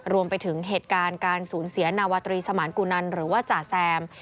รวมไปถึงเหตุการณ์การสูญเสียนาวาตรีสมานกุนันหรือว่าจ่าแซม